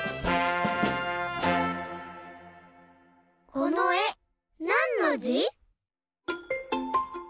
このえなんのじ？